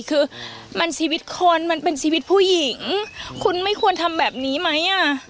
คือมันชีวิตคนมันเป็นชีวิตผู้หญิงคุณไม่ควรทำแบบนี้ไหมอ่ะ